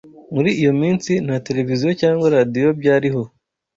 Muri iyo minsi nta TELEVISION cyangwa radiyo byariho.